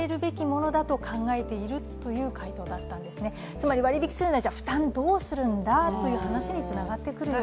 つまり割引きするなら、じゃあ負担をどうするんだという話につながってくるわけです。